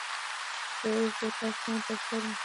یو ټوټه اسمان پر سر مې